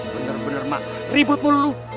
bener bener mak ribut mulu lu